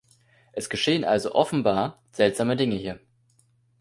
Es geschehen also offenbar seltsame Dinge hier.